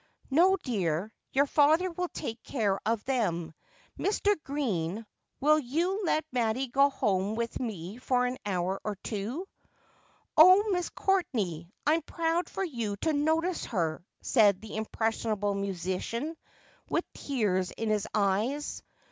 ' No, dear, your father will take care of them. — Mr. Green, will you let Mattie go home with me for an hour or two I '' Oh, Miss Courtenay, I'm proud for you to notice her,' said the impressionable musician, with tears in his eyes.